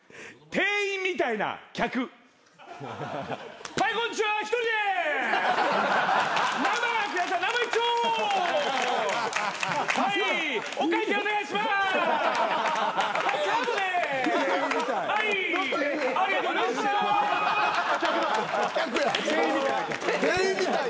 店員みたい。